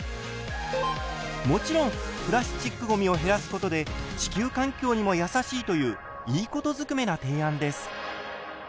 もちろんプラスチックごみを減らすことで地球環境にも優しいといういいことずくめな提案です。